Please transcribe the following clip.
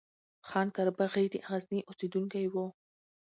خان قرباغی د غزني اوسيدونکی وو